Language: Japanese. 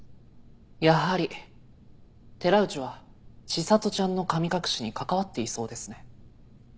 やはり寺内は千里ちゃんの神隠しに関わっていそうですね。